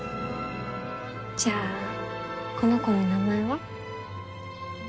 じゃあこの子の名前は？